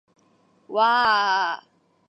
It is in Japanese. わああああ